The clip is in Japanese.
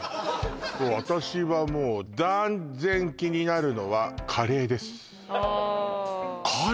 私はもう断然気になるのはカレーですああー